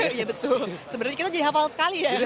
ya betul sebenarnya kita jadi hafal sekali ya kompleks ini